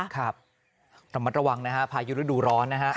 ครับระมัดระวังนะฮะพายุฤดูร้อนนะฮะ